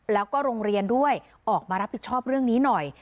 แล้วก็โรงเรียนด้วยออกมารับผิดชอบเรื่องนี้หน่อย